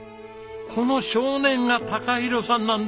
この少年が昂広さんなんだ。